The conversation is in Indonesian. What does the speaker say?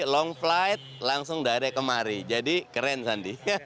langsung dari kemari jadi keren sandi